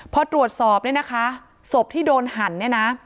พอตรวจสอบเนี่ยนะคะศพที่โดนหั่นเนี่ยนะ